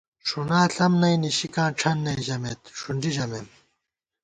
“ݭُنا ݪم نئ نِشِکاں ڄَھن نئ” ژمېت ݭُنڈی ژمېم